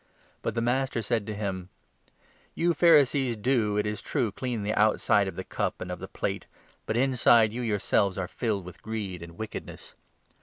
But the Master said to him : 39 "You Pharisees do, it is true, clean the outside of the cup and of the plate, but inside you yourselves are filled with greed and wickedness.